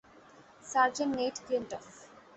Sergeant Nate ক্লিনটফ।